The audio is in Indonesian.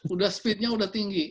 udah speednya udah tinggi